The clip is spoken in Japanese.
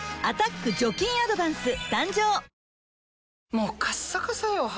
もうカッサカサよ肌。